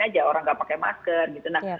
aja orang nggak pakai masker gitu nah